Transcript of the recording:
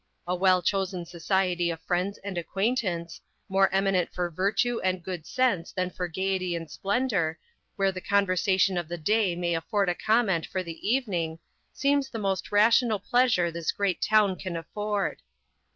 A well chosen society of friends and acquaintance, more eminent for virtue and good sense than for gaiety and splendor, where the conversation of the day may afford comment for the evening, seems the most rational pleasure this great town can afford.